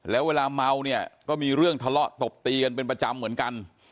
แล้วเวลาเมาเนี่ยก็มีเรื่องทะเลาะตบตีกันเป็นประจำเหมือนกัน